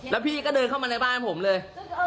แล้วพี่ก็เดินเข้ามาในบ้านผมเลย